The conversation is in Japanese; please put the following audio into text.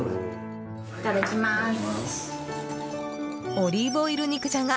オリーブオイル肉じゃが